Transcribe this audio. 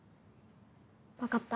分かった。